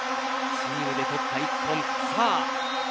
チームで取った１本。